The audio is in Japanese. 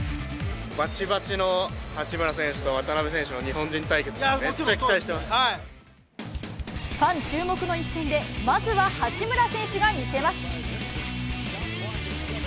ばちばちの八村選手と渡邊選手の日本人対決ですね、ファン注目の一戦で、まずは八村選手が見せます。